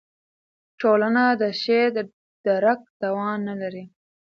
ټولنه د شعر د درک توان نه لري.